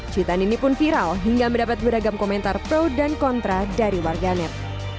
cuitan ini pun viral hingga mendapat beragam komentar pro dan kontra dari warganet